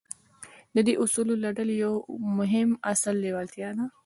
د دې اصولو له ډلې يو مهم اصل لېوالتیا ده.